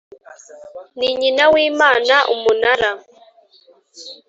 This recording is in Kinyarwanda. Ni nyina w imana umunara